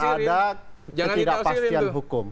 akan ada ketidakpastian hukum